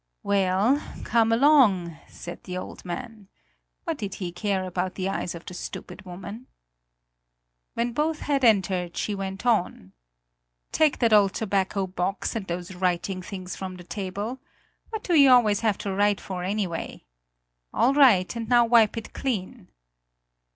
"Well, come along!" said the old man. What did he care about the eyes of the stupid woman! When both had entered, she went on: "Take that old tobacco box and those writing things from the table. What do you always have to write for, anyway? All right; and now wipe it clean!"